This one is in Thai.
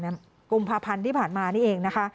ที่กลุ่มพระพันธ์ผ่านมานี่เองนะคะ